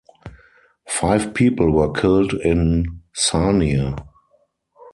Five people were killed in Sarnia.